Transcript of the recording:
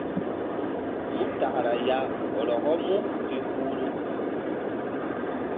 Mu takra ya rɔkɔ mú mbi huhru.